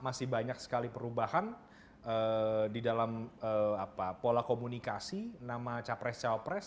masih banyak sekali perubahan di dalam pola komunikasi nama capres capres